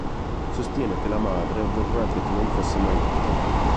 Sostiene che la madre, vorrebbe che non fosse mai nata.